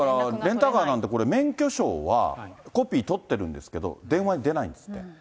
だからレンタカーなんで、免許証はコピー取ってるんですけど、電話に出ないんですって。